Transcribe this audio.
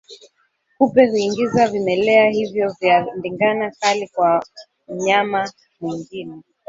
Kupe huingiza vimelea hivyo vya ndigana kali kwa mnyama mwingine